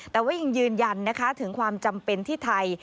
แต่ว่ายังยืนยันนะคะถึงความจำเป็นที่ไทย